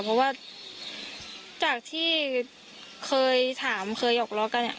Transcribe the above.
เพราะว่าจากที่เคยถามเคยหอกล้อกัน